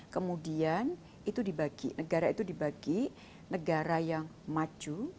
kemudian itu dibagi negara itu dibagi negara yang maju